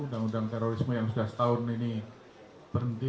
undang undang terorisme yang sudah setahun ini berhenti